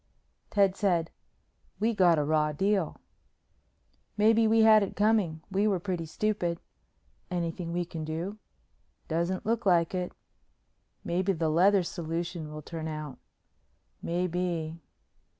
Ted said, "We got a raw deal." "Maybe we had it coming. We were pretty stupid." "Anything we can do?" "Doesn't look like it." "Maybe the leather solution will turn out." "Maybe."